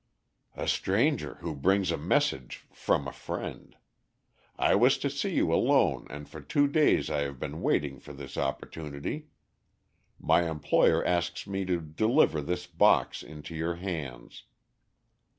"A stranger who brings a message from a friend. I was to see you alone and for two days I have been waiting for this opportunity. My employer asks me to deliver this box into your hands."